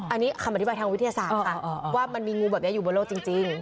อันนี้คำอธิบายทางวิทยาศาสตร์ค่ะว่ามันมีงูแบบนี้อยู่บนโลกจริง